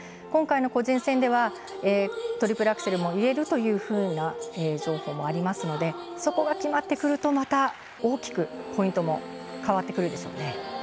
今回の個人戦ではトリプルアクセルも入れるというふうな情報もありますのでそこが決まってくるとまた、大きくポイントも変わってくるでしょう。